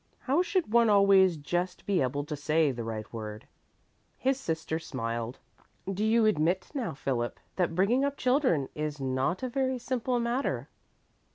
How should one always just be able to say the right word?" His sister smiled. "Do you admit now, Philip, that bringing up children is not a very simple matter?"